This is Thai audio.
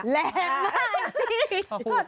แรงมากจริง